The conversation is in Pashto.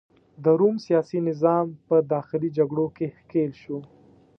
د روم سیاسي نظام په داخلي جګړو کې ښکیل شو.